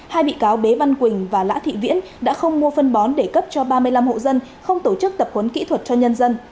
hai bị cáo bế văn quỳnh và lã thị viễn đã không mua phân bón để cấp cho ba mươi năm hộ dân không tổ chức tập huấn kỹ thuật cho nhân dân